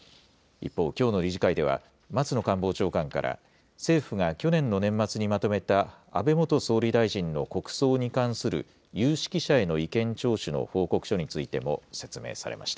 一方、きょうの理事会では、松野官房長官から、政府が去年の年末にまとめた、安倍元総理大臣の国葬に関する有識者への意見聴取の報告書についても説明されました。